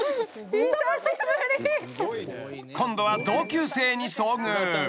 ［今度は同級生に遭遇］